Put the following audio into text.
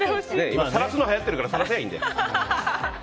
今、さらすのはやってるからさらせばいいんだよ。